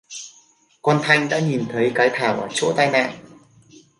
con thanh đã nhìn thấy cái thảo ở chỗ tai nạn